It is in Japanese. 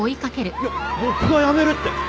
いや僕が辞めるって。